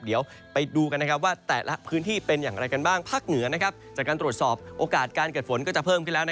เดี๋ยวไปดูกันว่าแต่ละพื้นที่เป็นอย่างไรกันบ้างภาคเหนือจากการตรวจสอบโอกาสการเกิดฝนก็จะเพิ่มขึ้นแล้ว